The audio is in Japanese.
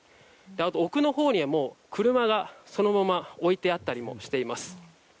奥のほうには、車がそのまま置いてあったりもしています。